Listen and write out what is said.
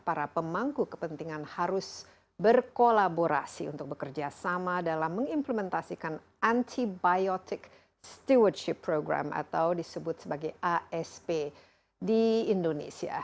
para pemangku kepentingan harus berkolaborasi untuk bekerja sama dalam mengimplementasikan antibiotic stewardship program atau disebut sebagai asp di indonesia